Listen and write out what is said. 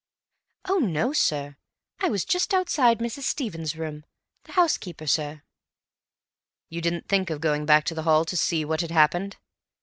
"Oh, no, sir. I was just outside Mrs. Stevens' room. The housekeeper, sir." "You didn't think of going back to the hall to see what had happened?"